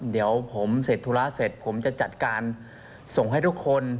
เดี๋ยวผมเสร็จธุระเสร็จผมจะจัดการส่งให้ทุกคน